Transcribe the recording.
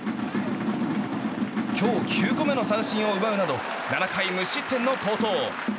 今日９個目の三振を奪うなど７回無失点の好投。